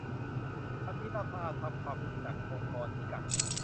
วันนี้เรามาทำความรู้จักองค์กรนี้กัน